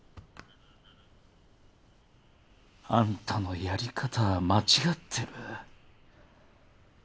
「あんたのやり方は間違ってる」